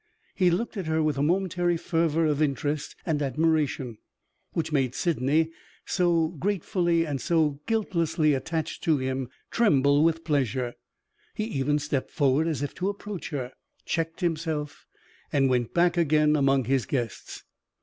He looked at her with a momentary fervor of interest and admiration which made Sydney (so gratefully and so guiltlessly attached to him) tremble with pleasure; he even stepped forward as if to approach her, checked himself, and went back again among his guests.